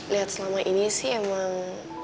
lihat selama ini sih emang